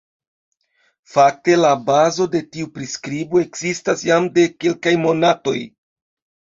Fakte la bazo de tiu priskribo ekzistas jam de kelkaj monatoj.